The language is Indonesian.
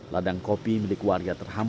walaupun mereka begitu korban